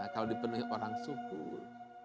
kalau dipenuhi orang syukur